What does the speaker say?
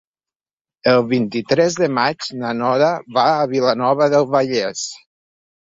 El vint-i-tres de maig na Nora va a Vilanova del Vallès.